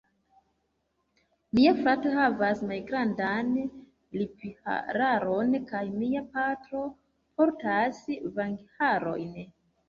Mia frato havas malgrandan liphararon kaj mia patro portas vangharojn.